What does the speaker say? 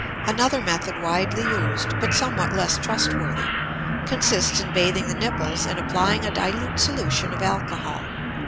Another method widely used, but somewhat less trustworthy, consists in bathing the nipples and applying a dilute solution of alcohol.